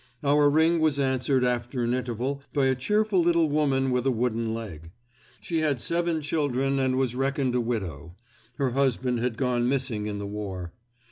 Our ring was answered after an interval by a cheerful little woman with a wooden leg. She had seven children and was reckoned a widow; her husband had gone missing in the war.